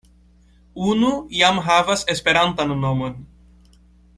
Unu jam havas esperantan nomon.